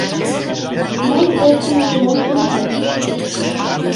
Мый полшымыжым ом шинче...